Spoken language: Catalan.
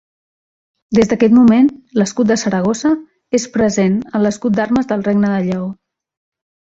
Des d'aquest moment l'escut de Saragossa és present en l'escut d'armes del Regne de Lleó.